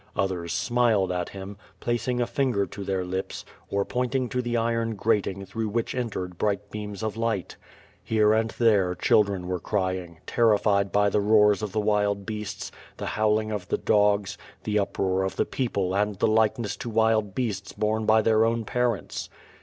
Others smiled at him, placing a finger to their lips, or point ing to the iron grating through which entered bright beams of light. Here and there, children were crying, terrified by the roars of the wild beasts, the howling of the dogs, the up roar of the people and the likeness to wild beasts borne by their own parents.